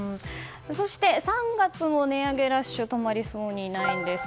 そして、３月も値上げラッシュ止まりそうにないんです。